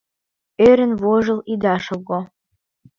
Ӧрын-вожыл ида шого: